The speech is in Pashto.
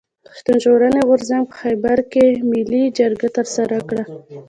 پښتون ژغورني غورځنګ په خېبر کښي ملي جرګه ترسره کړه.